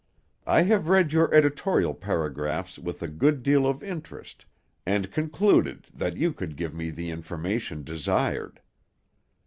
I have read your editorial paragraphs with a good deal of interest, and concluded that you could give me the information desired."